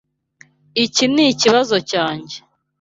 Iki nikibazo cyanjye.